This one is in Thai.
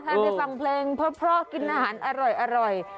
ถ้าได้ฟังเพลงเพราะกินอาหารอร่อย